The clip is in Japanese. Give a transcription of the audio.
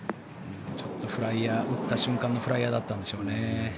ちょっと打った瞬間のフライヤーだったんでしょうね。